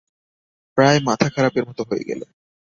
প্রায় মাথা খারাপের মতো হয়ে গেল।